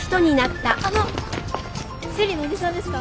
あの生理のおじさんですか？